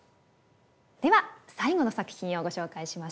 では最後の作品をご紹介しましょう。